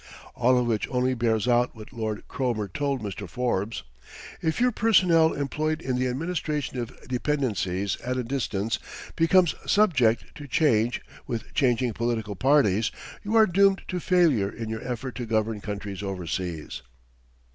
All of which only bears out what Lord Cromer told Mr. Forbes "If your personnel employed in the administration of dependencies at a distance becomes subject to change with changing political parties, you are doomed to failure in your effort to govern countries overseas."